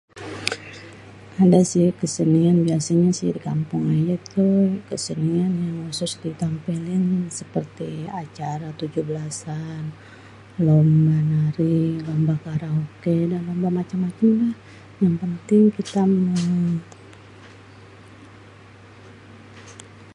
ada sih kesenian.. biasanya di kampung ayé tu kesenian yang khusus ditampilin seperti acara tujuh belasan.. lomba nari, lomba karaoké, lomba macem-macem dah.. yang penting kita.....